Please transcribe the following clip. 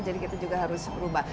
jadi kita juga harus berubah